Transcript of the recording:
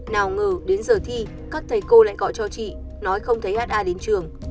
nào ngờ đến giờ thi các thầy cô lại gọi cho chị nói không thấy ai đến trường